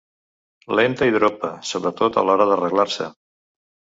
Lenta i dropa, sobretot a l'hora d'arreglar-se.